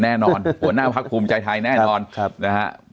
แน่นอนหัวหน้าภักษ์คุมใจไทยแน่นอน